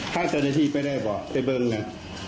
ห้าเจอนาทีไปได้บ่าวไปเบิ้ลไง